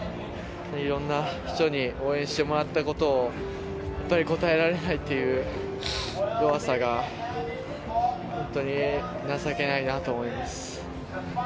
いろんな人に応援もらったことを、本当に応えられないっていう弱さが、本当に情けないなと思います。